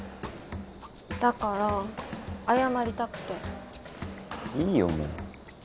だから謝りたくていいよ